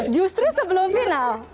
justru sebelum final